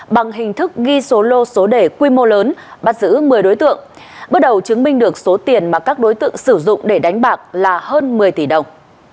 bằng hình thức ghi số lô số đề quy mô lớn bắt giữ một mươi đối tượng bước đầu chứng minh được số tiền mà các đối tượng sử dụng để đánh bạc là hơn một mươi tỷ đồng